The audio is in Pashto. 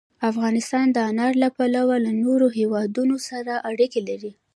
افغانستان د انار له پلوه له نورو هېوادونو سره اړیکې لري.